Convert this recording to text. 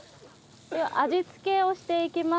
では味付けをしていきます。